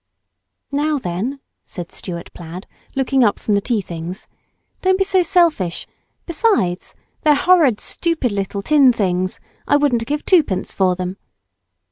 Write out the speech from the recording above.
"Now then," said Stuart plaid, looking up from the tea things, "don't be so selfish; besides, they're horrid little stupid tin things. I wouldn't give twopence for them."